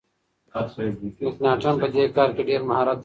مکناټن په دې کار کي ډیر مهارت درلود.